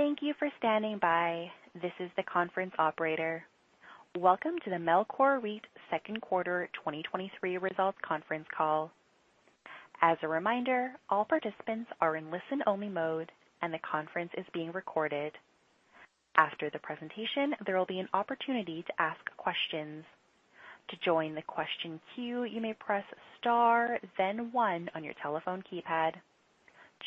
Thank you for standing by. This is the conference operator. Welcome to the Melcor REIT Second Quarter 2023 Results Conference Call. As a reminder, all participants are in listen only mode, and the Conference is being recorded. After the presentation, there will be an opportunity to ask questions. To join the question queue, you may press Star, then 1 on your telephone keypad.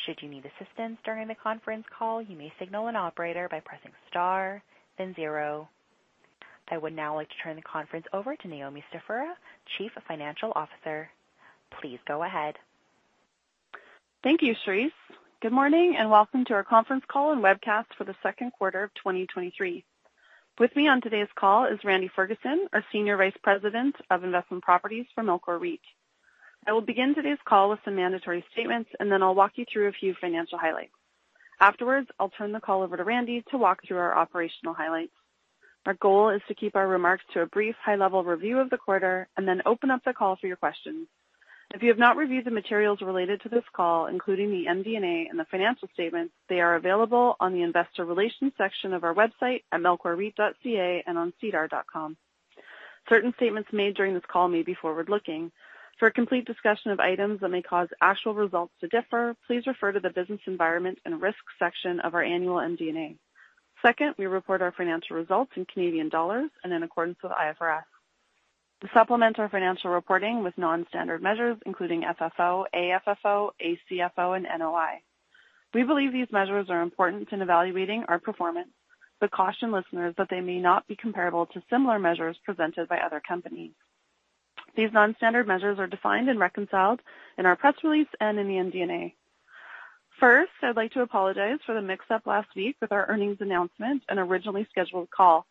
Should you need assistance during the conference call, you may signal an operator by pressing Star then 0. I would now like to turn the Conference over to Naomi Stefura, Chief Financial Officer. Please go ahead. Thank you, Charisse. Good morning, welcome to our conference call and webcast for the second quarter of 2023. With me on today's call is Randy Ferguson, our Senior Vice President of Investment Properties for Melcor REIT. I will begin today's call with some mandatory statements, then I'll walk you through a few financial highlights. Afterwards, I'll turn the call over to Randy to walk through our operational highlights. Our goal is to keep our remarks to a brief, high-level review of the quarter and then open up the call for your questions. If you have not reviewed the materials related to this call, including the MD&A and the financial statements, they are available on the Investor Relations section of our website at melcorreit.ca and on SEDAR.com. Certain statements made during this call may be forward-looking. For a complete discussion of items that may cause actual results to differ, please refer to the Business Environment and Risk section of our annual MD&A. Second, we report our financial results in Canadian dollars and in accordance with IFRS. To supplement our financial reporting with non-standard measures, including FFO, AFFO, ACFO, and NOI. We believe these measures are important in evaluating our performance, but caution listeners that they may not be comparable to similar measures presented by other companies. These non-standard measures are defined and reconciled in our press release and in the MD&A. First, I'd like to apologize for the mix-up last week with our earnings announcement and originally scheduled call.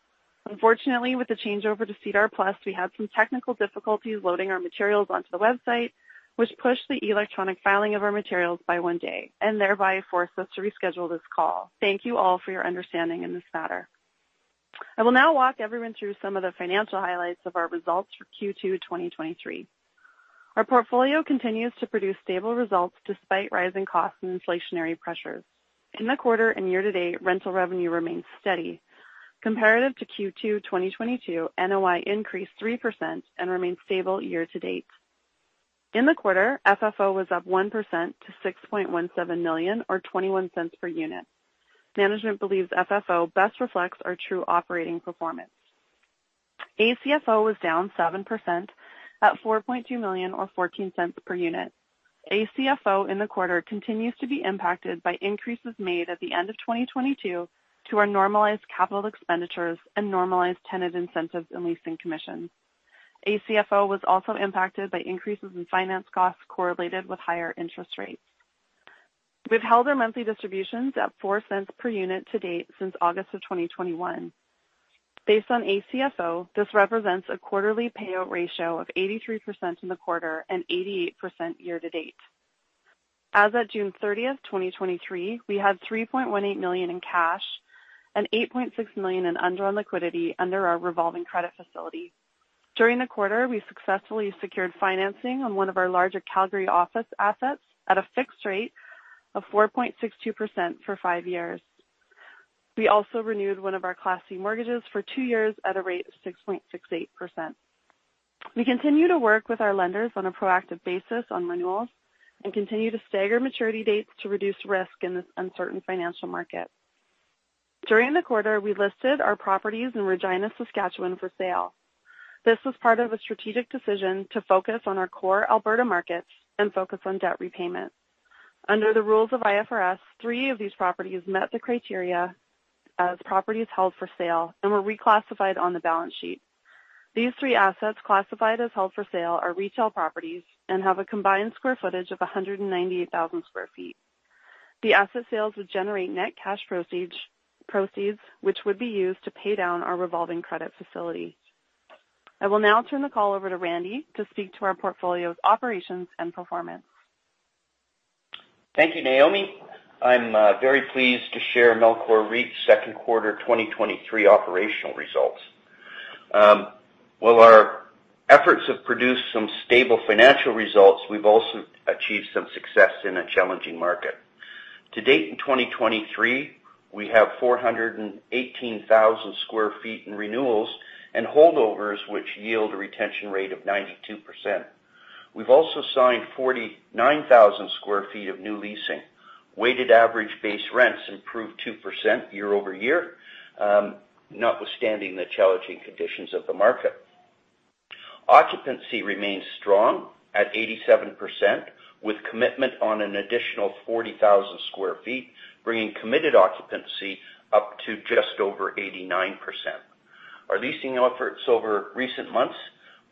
Unfortunately, with the changeover to SEDAR+, we had some technical difficulties loading our materials onto the website, which pushed the electronic filing of our materials by one day and thereby forced us to reschedule this call. Thank you all for your understanding in this matter. I will now walk everyone through some of the financial highlights of our results for Q2 2023. Our portfolio continues to produce stable results despite rising costs and inflationary pressures. In the quarter and year-to-date, rental revenue remains steady. Comparative to Q2 2022, NOI increased 3% and remains stable year-to-date. In the quarter, FFO was up 1% to 6.17 million, or 0.21 per unit. Management believes FFO best reflects our true operating performance. ACFO was down 7% at 4.2 million, or 0.14 per unit. ACFO in the quarter continues to be impacted by increases made at the end of 2022 to our normalized capital expenditures and normalized tenant incentives and leasing commissions. ACFO was also impacted by increases in finance costs correlated with higher interest rates. We've held our monthly distributions at 0.04 per unit to date since August of 2021. Based on ACFO, this represents a quarterly payout ratio of 83% in the quarter and 88% year-to-date. As of June 30th, 2023, we had 3.18 million in cash and 8.6 million in undrawn liquidity under our revolving credit facility. During the quarter, we successfully secured financing on one of our larger Calgary office assets at a fixed rate of 4.62% for 5 years. We also renewed one of our Class C mortgages for 2 years at a rate of 6.68%. We continue to work with our lenders on a proactive basis on renewals and continue to stagger maturity dates to reduce risk in this uncertain financial market. During the quarter, we listed our properties in Regina, Saskatchewan, for sale. This was part of a strategic decision to focus on our core Alberta markets and focus on debt repayment. Under the rules of IFRS, 3 of these properties met the criteria as properties held for sale and were reclassified on the balance sheet. These 3 assets, classified as held for sale, are retail properties and have a combined square footage of 198,000 sq ft. The asset sales would generate net cash proceeds, which would be used to pay down our revolving credit facility. I will now turn the call over to Randy to speak to our portfolio's operations and performance. Thank you, Naomi. I'm very pleased to share Melcor REIT's second quarter 2023 operational results. Well, our efforts have produced some stable financial results. We've also achieved some success in a challenging market. To date, in 2023, we have 418,000 sq ft in renewals and holdovers, which yield a retention rate of 92%. We've also signed 49,000 sq ft of new leasing. Weighted average base rents improved 2% year-over-year, notwithstanding the challenging conditions of the market. Occupancy remains strong at 87%, with commitment on an additional 40,000 sq ft, bringing committed occupancy up to just over 89%. Our leasing efforts over recent months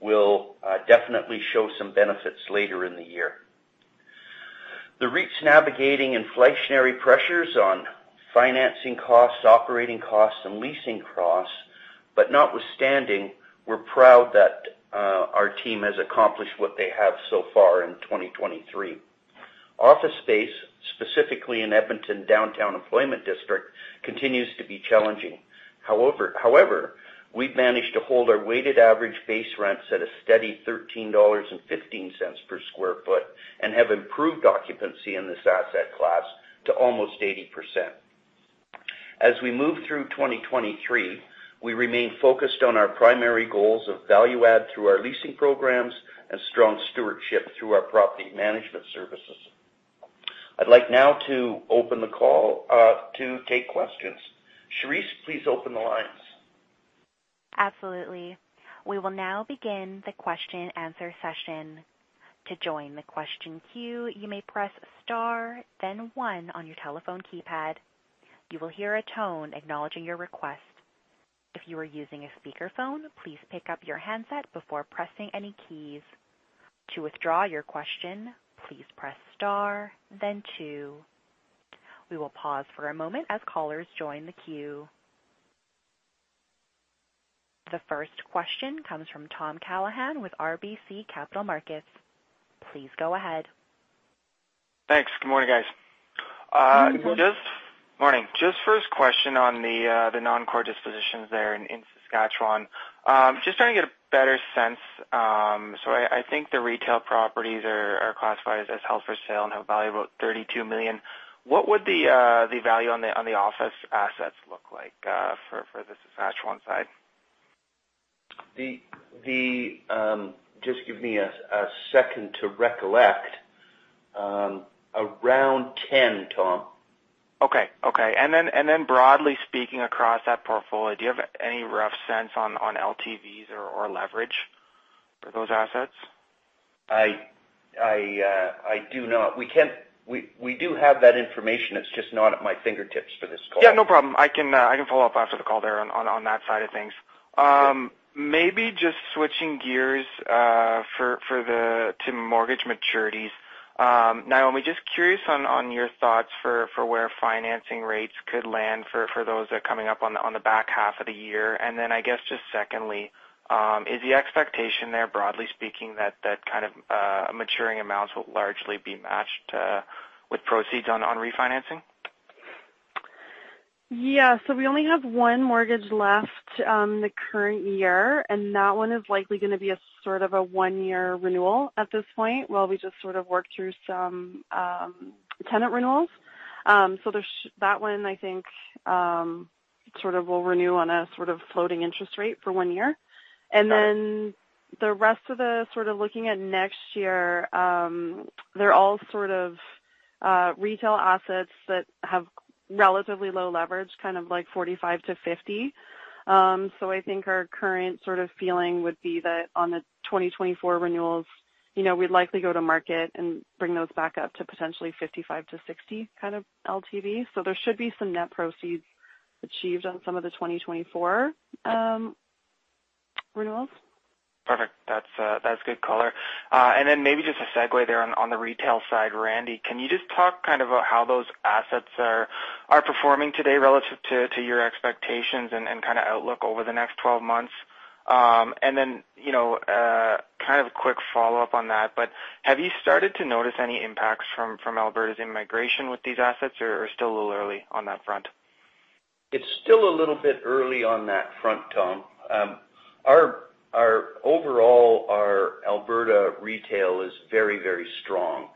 will definitely show some benefits later in the year. The REIT's navigating inflationary pressures on financing costs, operating costs, and leasing costs. Notwithstanding, we're proud that our team has accomplished what they have so far in 2023. Office space, specifically in Edmonton downtown employment district, continues to be challenging. However, we've managed to hold our weighted average base rents at a steady 13.15 per sq ft, and have improved occupancy in this asset class to almost 80%. As we move through 2023, we remain focused on our primary goals of value add through our leasing programs and strong stewardship through our property management services. I'd like now to open the call to take questions. Charisse, please open the lines. Absolutely. We will now begin the question-answer session. To join the question queue, you may press Star, then One on your telephone keypad. You will hear a tone acknowledging your request. If you are using a speakerphone, please pick up your handset before pressing any keys. To withdraw your question, please press Star, then Two. We will pause for a moment as callers join the queue. The first question comes from Tom Callaghan with RBC Capital Markets. Please go ahead. Thanks. Good morning, guys. Good morning. Just morning. Just first question on the non-core dispositions there in Saskatchewan. Just trying to get a better sense, so I think the retail properties are classified as held for sale and have a value of about 32 million. What would the value on the office assets look like for the Saskatchewan side? The, just give me a, a second to recollect. Around 10, Tom. Okay. Okay. Then, and then broadly speaking, across that portfolio, do you have any rough sense on, on LTVs or, or leverage for those assets? I do not. We do have that information. It's just not at my fingertips for this call. Yeah, no problem. I can, I can follow up after the call there on, on, on that side of things. Maybe just switching gears to mortgage maturities. Naomi, just curious on, on your thoughts for, for where financing rates could land for, for those that are coming up on the, on the back half of the year. I guess, just secondly, is the expectation there, broadly speaking, that, that kind of, maturing amounts will largely be matched, with proceeds on, on refinancing? Yeah. So we only have 1 mortgage left, in the current year, and that 1 is likely gonna be a sort of a 1-year renewal at this point, while we just sort of work through some tenant renewals. There's that 1, I think, sort of will renew on a sort of floating interest rate for 1 year. Sure. The rest of the, sort of looking at next year, they're all sort of, retail assets that have relatively low leverage, kind of like 45-50. I think our current sort of feeling would be that on the 2024 renewals, you know, we'd likely go to market and bring those back up to potentially 55-60 kind of LTV. There should be some net proceeds achieved on some of the 2024, renewals. Perfect. That's good color. Maybe just a segue there on, on the retail side. Randy, can you just talk kind of about how those assets are, are performing today relative to, to your expectations and, and kind of outlook over the next 12 months? You know, kind of a quick follow-up on that, but have you started to notice any impacts from, from Alberta's immigration with these assets, or, or still a little early on that front? It's still a little bit early on that front, Tom. Our, our overall, our Alberta retail is very, very strong.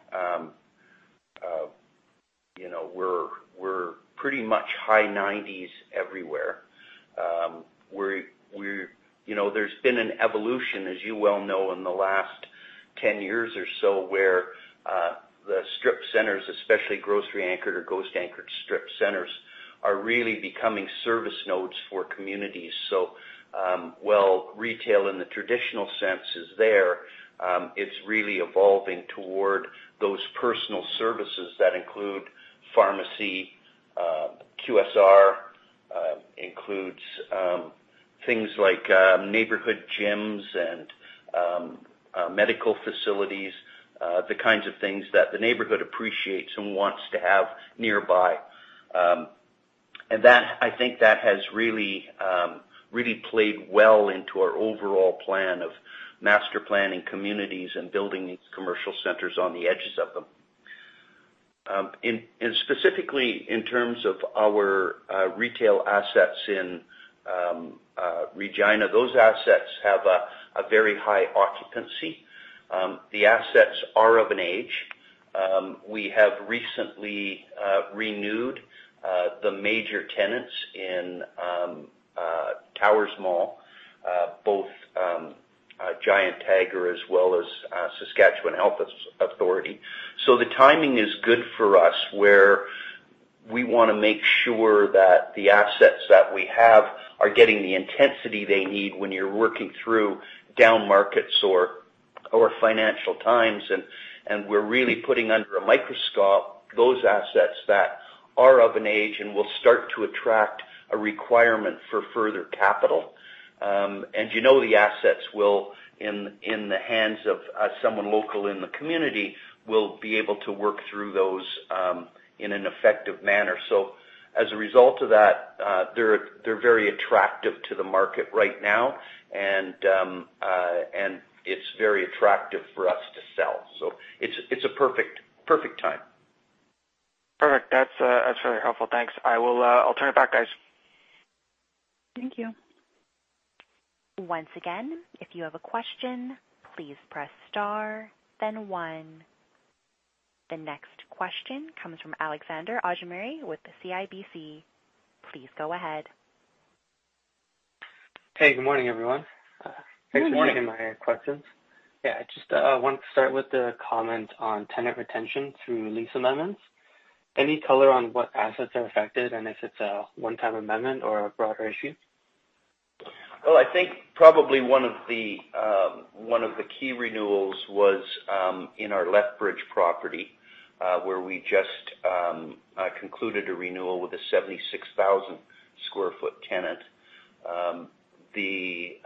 You know, we're, we're pretty much high 90s everywhere. We're... You know, there's been an evolution, as you well know, in the last 10 years or so, where the strip centers, especially grocery-anchored or ghost-anchored strip centers, are really becoming service nodes for communities. While retail in the traditional sense is there, it's really evolving toward those personal services that include pharmacy, QSR, includes things like neighborhood gyms and medical facilities, the kinds of things that the neighborhood appreciates and wants to have nearby. That, I think that has really, really played well into our overall plan of master planning communities and building these commercial centers on the edges of them. In, and specifically in terms of our retail assets in Regina, those assets have a very high occupancy. The assets are of an age. We have recently renewed the major tenants in Towers Mall, both Giant Tiger as well as Saskatchewan Health Authority. The timing is good for us, where we want to make sure that the assets that we have are getting the intensity they need when you're working through down markets or, or financial times. We're really putting under a microscope those assets that are of an age and will start to attract a requirement for further capital. You know, the assets will, in, in the hands of someone local in the community, will be able to work through those in an effective manner. As a result of that, they're, they're very attractive to the market right now, and it's very attractive for us to sell. It's, it's a perfect, perfect time. Perfect. That's, that's very helpful. Thanks. I will, I'll turn it back, guys. Thank you. Once again, if you have a question, please press star, then 1. The next question comes from Alexander Augimeri with the CIBC. Please go ahead. Hey, good morning, everyone. Good morning. Thanks for taking my questions. Yeah, I just wanted to start with the comment on tenant retention through lease amendments. Any color on what assets are affected and if it's a one-time amendment or a broader issue? Well, I think probably one of the, one of the key renewals was, in our Lethbridge property, where we just concluded a renewal with a 76,000 sq ft tenant. The,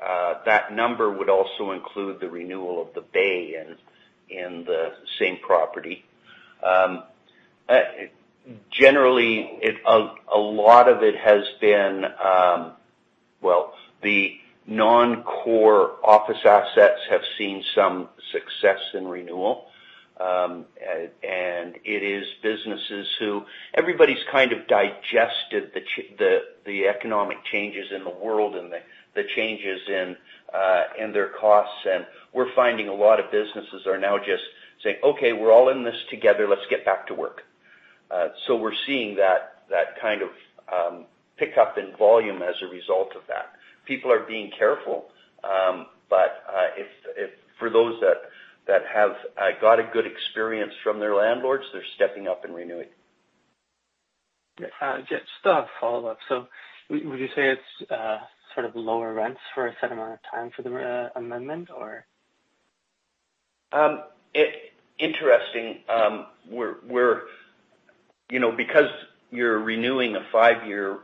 that number would also include the renewal of The Bay in, in the same property. Generally, it, a lot of it has been, well, the non-core office assets have seen some success in renewal. It is businesses who-- everybody's kind of digested the, the economic changes in the world and the, the changes in their costs, and we're finding a lot of businesses are now just saying, "Okay, we're all in this together. Let's get back to work." We're seeing that, that kind of, pick up in volume as a result of that. People are being careful, but, if, if for those that, that have, got a good experience from their landlords, they're stepping up and renewing. Just a follow-up. Would you say it's sort of lower rents for a set amount of time for the amendment, or? Interesting, we're, we're, you know, because you're renewing a five-year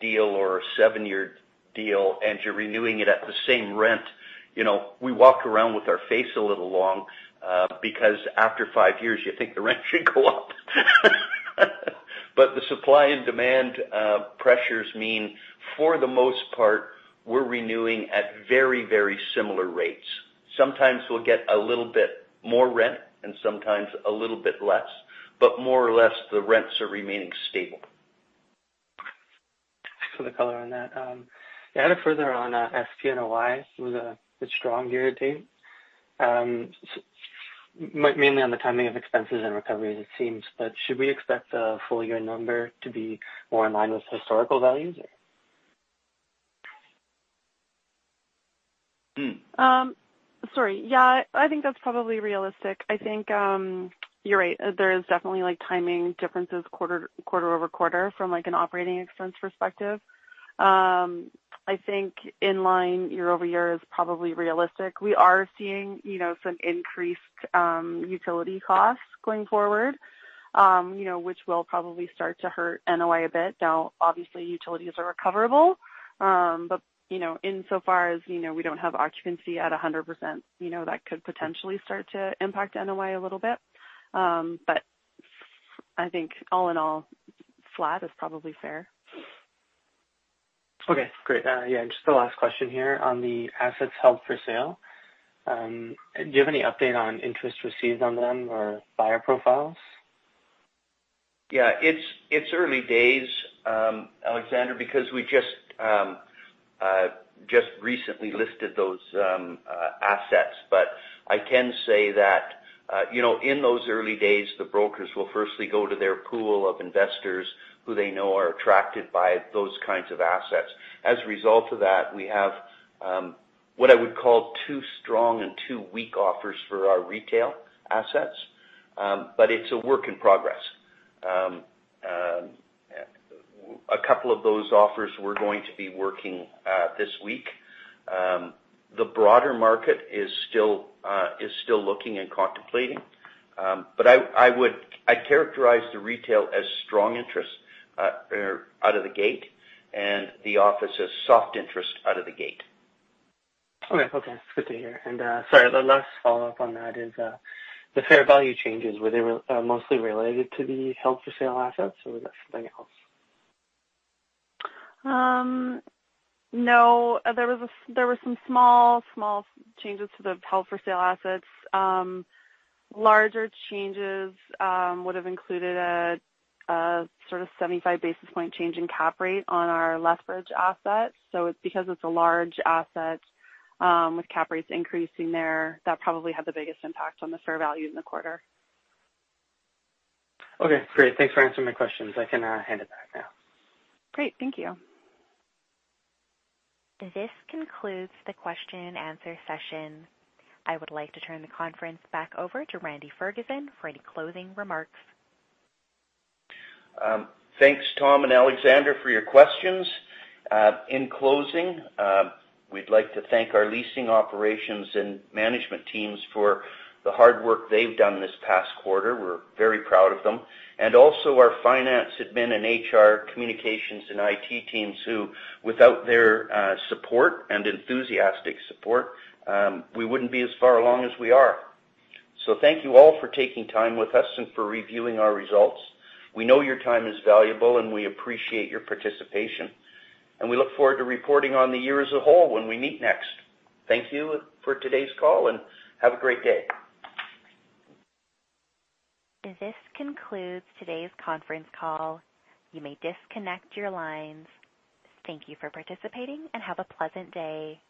deal or a seven-year deal, and you're renewing it at the same rent, you know, we walk around with our face a little long, because after five years, you think the rent should go up. The supply and demand pressures mean, for the most part, we're renewing at very, very similar rates. Sometimes we'll get a little bit more rent and sometimes a little bit less, but more or less, the rents are remaining stable. Thanks for the color on that. Yeah, a little further on SPNOI, it was a strong year to date. Mainly on the timing of expenses and recoveries, it seems. Should we expect the full year number to be more in line with historical values? Hmm. Sorry. Yeah, I think that's probably realistic. I think, you're right. There is definitely, like, timing differences quarter, quarter-over-quarter from, like, an operating expense perspective. I think in line year-over-year is probably realistic. We are seeing, you know, some increased utility costs going forward, you know, which will probably start to hurt NOI a bit. Obviously, utilities are recoverable, but, you know, insofar as, you know, we don't have occupancy at 100%, you know, that could potentially start to impact NOI a little bit. I think all in all, flat is probably fair. Okay, great. Yeah, just the last question here. On the assets held for sale, do you have any update on interest received on them or buyer profiles? Yeah, it's, it's early days, Alexander, because we just, just recently listed those assets. I can say that, you know, in those early days, the brokers will firstly go to their pool of investors who they know are attracted by those kinds of assets. As a result of that, we have what I would call two strong and two weak offers for our retail assets, but it's a work in progress. A couple of those offers we're going to be working this week. The broader market is still looking and contemplating, but I'd characterize the retail as strong interest, out of the gate and the office as soft interest out of the gate. Okay. Okay, good to hear. Sorry, the last follow-up on that is, the fair value changes, were they mostly related to the held-for-sale assets, or was that something else? No. There was a, there were some small, small changes to the held-for-sale assets. Larger changes would have included a, a sort of 75 basis point change in cap rate on our Lethbridge asset. It's because it's a large asset, with cap rates increasing there, that probably had the biggest impact on the fair value in the quarter. Okay, great. Thanks for answering my questions. I can hand it back now. Great. Thank you. This concludes the question and answer session. I would like to turn the conference back over to Randy Ferguson for any closing remarks. Thanks, Tom and Alexander, for your questions. In closing, we'd like to thank our leasing operations and management teams for the hard work they've done this past quarter. We're very proud of them. Also, our finance, admin, and HR, communications, and IT teams, who, without their support and enthusiastic support, we wouldn't be as far along as we are. Thank you all for taking time with us and for reviewing our results. We know your time is valuable. We appreciate your participation. We look forward to reporting on the year as a whole when we meet next. Thank you for today's call. Have a great day. This concludes today's conference call. You may disconnect your lines. Thank you for participating, and have a pleasant day.